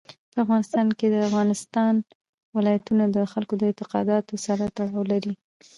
په افغانستان کې د افغانستان ولايتونه د خلکو د اعتقاداتو سره تړاو لري.